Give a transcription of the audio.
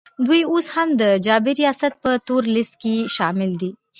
دوی اوس هم د جابر ریاست په تور لیست کي شامل دي